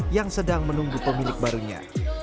yang sedang menunggu pemilik barunya